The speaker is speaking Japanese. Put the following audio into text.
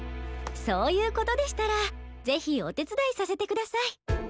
そういうことでしたらぜひおてつだいさせてください。